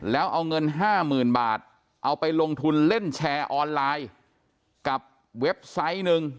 แล้วเอาเงิน๕๐๐๐บาทเอาไปลงทุนเล่นแชร์ออนไลน์กับเว็บไซต์หนึ่ง